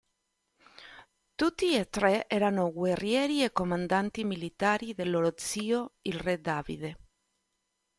Tutti e tre erano guerrieri e comandanti militari del loro zio, il re Davide.